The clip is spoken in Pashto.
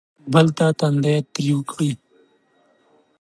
بل ته تندی تریو کړي.